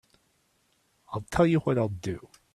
I'll tell you what I'll do.